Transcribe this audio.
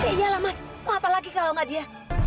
iya lah mas mau apa lagi kalau nggak dia